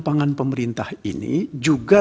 pangan pemerintah ini juga